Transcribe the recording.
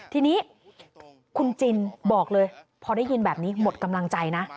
ทีนี้คุณจินบอกเลยพอได้ยินแบบนี้หมดกำลังใจนะ